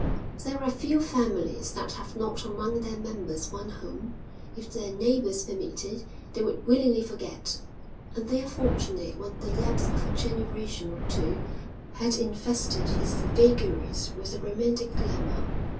There are few families that have not among their members one whom, if their neighbours permitted, they would willingly forget, and they are fortunate when the lapse of a generation or two has invested his vagaries with a romantic glamour.